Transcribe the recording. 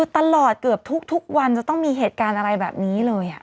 ตลอดเกือบทุกวันจะต้องมีเหตุการณ์อะไรแบบนี้เลย